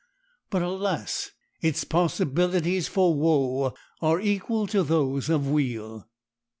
But, alas! its possibilities for woe are equal to those of weal.